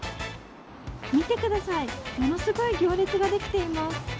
見てください、ものすごい行列ができています。